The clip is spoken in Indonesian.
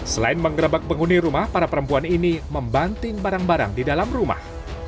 selain menggerebek penghuni rumah para perempuan ini membanting barang barang di dalam rumah